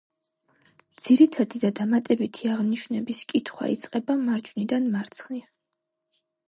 ძირითადი და დამატებითი აღნიშვნების კითხვა იწყება მარჯვნიდან მარცხნივ.